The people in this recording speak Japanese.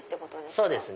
そうですね。